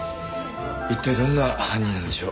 一体どんな犯人なんでしょう。